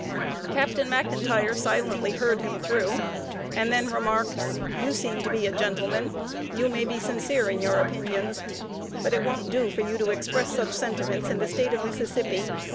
Captain McIntire silently heard him through, and then remarked: "You seem to be a gentleman; you may be sincere in your opinions; but it won't do for you to express such sentiments in the State of Mississippi.